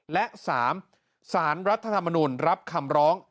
และ๓สารรัฐธรรมนุนรับคำร้อง